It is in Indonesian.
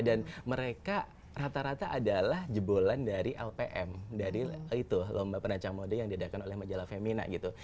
dan mereka rata rata adalah jebolan dari lpm dari itu lomba perancang mode yang diadakan oleh majalah femina gitu